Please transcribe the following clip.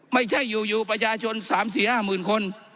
ไม่ใช่อยู่ประชาชน๓๔๕๐๐๐คน